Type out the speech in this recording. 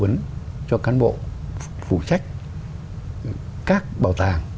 vẫn cho cán bộ phụ trách các bảo tàng